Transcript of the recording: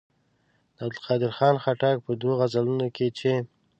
د عبدالقادر خان خټک په دوو غزلونو کې چې.